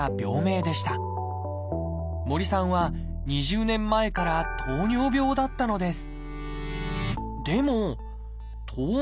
森さんは２０年前から糖尿病だったのです。